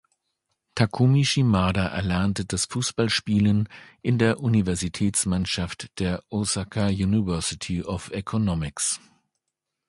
Takumi Shimada erlernte das Fußballspielen in der Universitätsmannschaft der Osaka University of Economics.